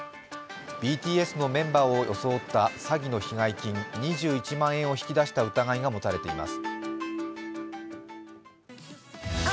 ＢＴＳのメンバーを装った詐欺の被害金２１万円を引き出した疑いが持たれています。